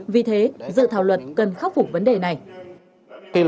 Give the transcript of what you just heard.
vì thế dự thảo luật cần khắc phục vấn đề này